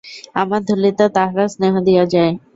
আমার ধূলিতে তাহারা স্নেহ দিয়া যায়।